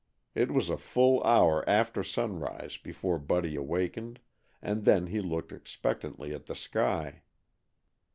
It was a full hour after sunrise before Buddy awakened, and then he looked expectantly at the sky.